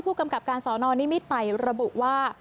ผู้กำกับการสอนอนิมิตรไประบุว่า